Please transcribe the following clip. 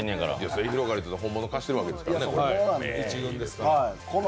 すゑひろがりずの本物、貸しているわけですからね。